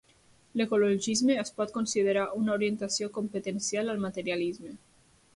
L'ecologisme es pot considerar una orientació competencial al materialisme.